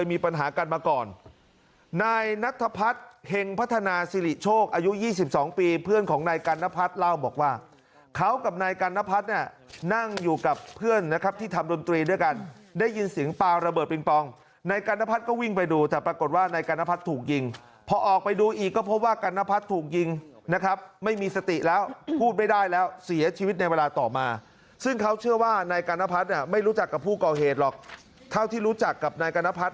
มีปัญหากันมาก่อนนายนัทพัฒน์เฮงพัฒนาสิริโชคอายุยี่สิบสองปีเพื่อนของนายกันนพัฒน์เล่าบอกว่าเขากับนายกันนพัฒน์เนี่ยนั่งอยู่กับเพื่อนนะครับที่ทำดนตรีด้วยกันได้ยินเสียงปลาระเบิดปริงปองนายกันนพัฒน์ก็วิ่งไปดูแต่ปรากฏว่านายกันนพัฒน์ถูกยิงพอออกไปดูอีกก็พบว่ากันนพัฒ